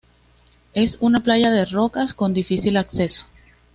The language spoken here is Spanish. Es una playa de rocas con difícil acceso.